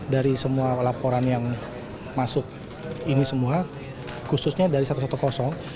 dari semua laporan yang masuk ini semua khususnya dari satu ratus sepuluh